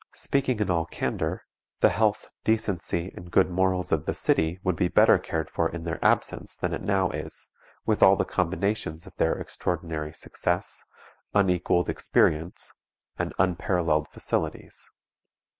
Speaking in all candor, the health, decency, and good morals of the city would be better cared for in their absence than it now is, with all the combinations of their "extraordinary success," "unequaled experience," and "unparalleled facilities."